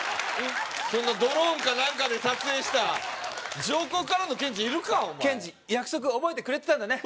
そんなドローンか何かで撮影した上空からのケンジいるかお前ケンジ約束覚えてくれてたんだね